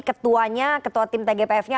ketuanya ketua tim tgpf nya